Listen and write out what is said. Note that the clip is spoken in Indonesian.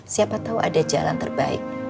siapa tahu ada jalan terbaik